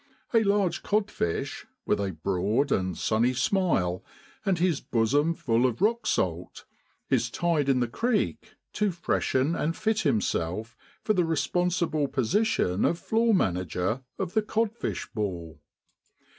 A large codfish, with a broad and sunny smile, and his bosom full of rock salt, is tied in the creek to freshen and fit himself for the responsible position of floor manager of the codfish ball.